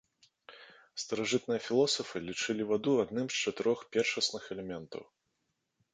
Старажытныя філосафы лічылі ваду адным з чатырох першасных элементаў.